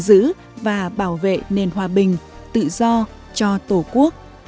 giữ và bảo vệ nền hòa bình tự do cho tổ quốc